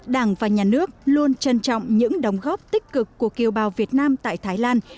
đảng và nhà nước luôn trân trọng những đóng góp tích cực của kiều bào việt nam tại thái lan